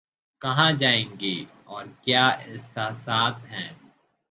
کہاں جائیں گی اور کیا احساسات ہیں